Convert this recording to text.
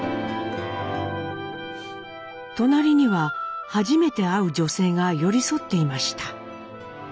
隣には初めて会う女性が寄り添っていました。